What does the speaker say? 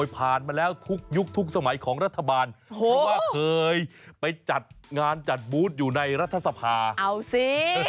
ผ่านมาแล้วทุกยุคทุกสมัยของรัฐบาลเพราะว่าเคยไปจัดงานจัดบูธอยู่ในรัฐสภาเอาสิ